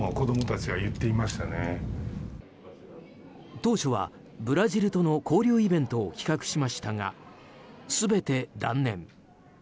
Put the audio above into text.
当初はブラジルとの交流イベントを企画しましたが全て断念。